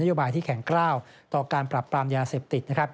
โยบายที่แข็งกล้าวต่อการปรับปรามยาเสพติดนะครับ